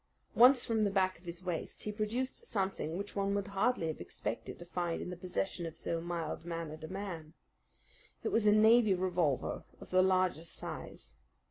Once from the back of his waist he produced something which one would hardly have expected to find in the possession of so mild mannered a man. It was a navy revolver of the largest size.